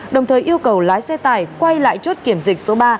đồng thời yêu cầu lái xe tải quay lại chốt kiểm dịch số ba